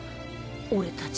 俺たち。